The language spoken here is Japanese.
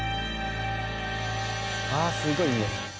ああすごいにおい。